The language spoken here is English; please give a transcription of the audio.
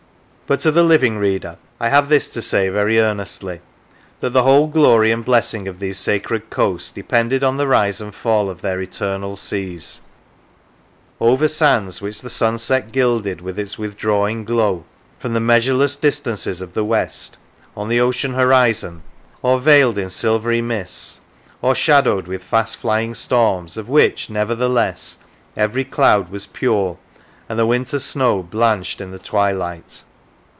... But to the living reader I have this to say very earnestly, that the whole glory and blessing of these sacred coasts depended on the rise and fall of their eternal seas, over sands which the sunset gilded with its withdrawing glow, from the measureless distances of the west, on the ocean horizon, or veiled in silvery mists, or shadowed with fast flying storms, of which, nevertheless, every cloud was pure, and the winter snow blanched in the twilight."